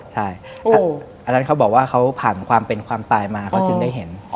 ใช่อันนั้นเขาบอกว่าเขาผ่านความเป็นความตายมาเขาจึงได้เห็น